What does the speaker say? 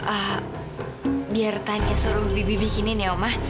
ah biar tanya suruh bibi bikinin ya omah